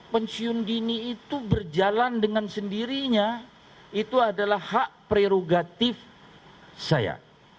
pensiun dini itu berjalan dengan sendirinya itu adalah hak prerogatif saya